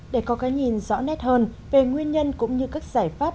để có cái nhìn rõ nét hơn về nguyên nhân cũng như các giải pháp